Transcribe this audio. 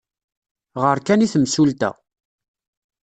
Ɣer kan i temsulta.